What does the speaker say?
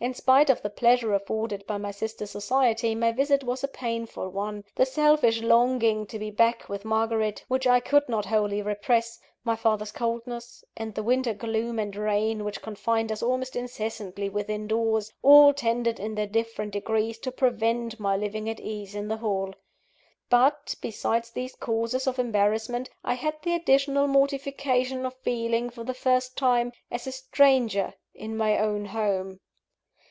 In spite of the pleasure afforded by my sister's society, my visit was a painful one. The selfish longing to be back with Margaret, which I could not wholly repress; my father's coldness; and the winter gloom and rain which confined us almost incessantly within doors, all tended in their different degrees to prevent my living at ease in the Hall. But, besides these causes of embarrassment, I had the additional mortification of feeling, for the first time, as a stranger in my own home.